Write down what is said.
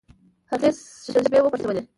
هغې سږمې وپړسولې.